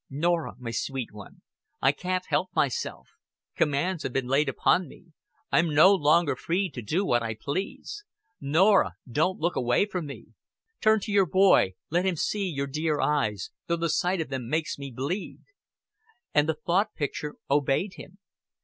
"Norah, my sweet one, I can't help myself. Commands have been laid upon me. I'm no longer free to do what I please. Norah, don't look away from me. Turn to your boy let him see your dear eyes, though the sight of them makes him bleed." And the thought picture obeyed him.